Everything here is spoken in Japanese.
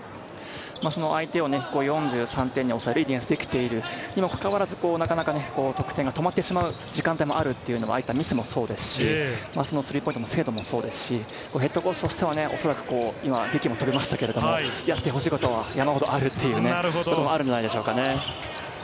その相手を４３点に抑えるいいディフェンスできているにもかかわらず、なかなか得点が止まってしまう時間帯もあるというのが、ああいったミスもそうですし、スリーポイントの精度もそうですし、ＨＣとしてはげきも飛びましたけれども、やってほしいことは山ほどあるというところがあるんじゃないでしょうかね。